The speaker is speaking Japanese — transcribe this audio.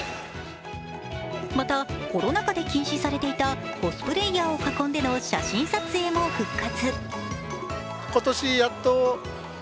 また、コロナ禍で禁止されていたコスプレーヤーを囲んでの写真撮影も復活。